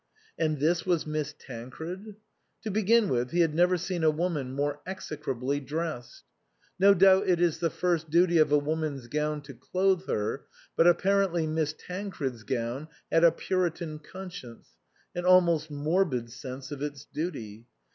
And this was Miss Tancred ? To begin with, he had never seen a woman more execrably dressed. No doubt it is the first duty of a woman's gown to clothe her, but apparently Miss Tancred's gown had a Puri tan conscience, an almost morbid sense of its duty.